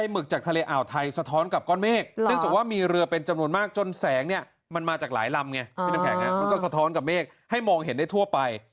มันก็สะท้อนกับเมฆให้มองเห็นได้ทั่วไป